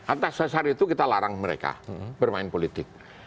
atas dasar itu kita larang mereka bermain politik